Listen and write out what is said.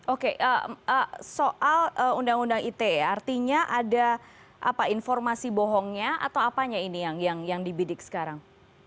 oke soal undang undang ite artinya ada informasi bohongnya atau apanya ini yang dibidik sekarang